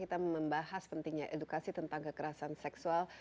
kita membahas pentingnya edukasi tentang kekerasan seksual